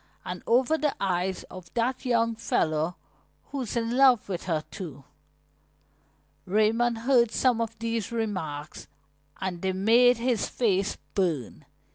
"And over the eyes of that young fellow who's in love with her, too." Raymond heard some of these remarks and they made his face burn.